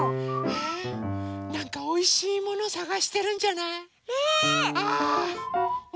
えなんかおいしいものさがしてるんじゃない？